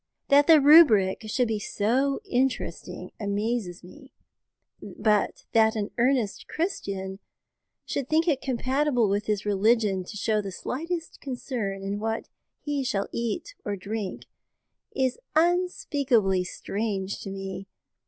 That the rubric should be so interesting amazes me, but that an earnest Christian should think it compatible with his religion to show the slightest concern in what he shall eat or drink is unspeakably strange to me.